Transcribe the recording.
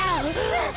うっ！